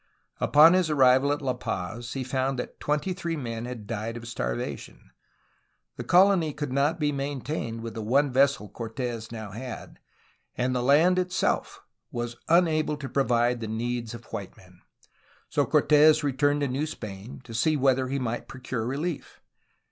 Upon his arrival at La Paz he found that twenty three men had died of starvation. The colony could not be maintained with the one vessel Cortds now had, and the land itself was unable to provide for the needs of white men; so Cortes returned to New Spain, to see whether he might procure relief.